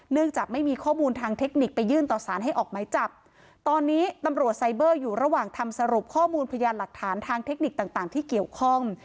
จากไม่มีข้อมูลทางเทคนิคไปยื่นต่อสารให้ออกไหมจับตอนนี้ตำรวจไซเบอร์อยู่ระหว่างทำสรุปข้อมูลพยานหลักฐานทางเทคนิคต่างต่างที่เกี่ยวข้อง